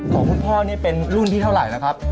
ของคุณพ่อนี่เป็นรุ่นที่เท่าไหร่นะครับ